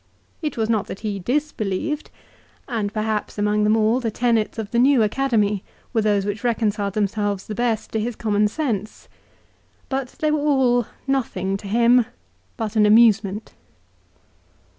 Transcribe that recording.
It was not that he disbelieved ; and perhaps among them all the tenets of the new Academy were those which reconciled themselves the best to his common sense. But they were all nothing to him, but an amusement.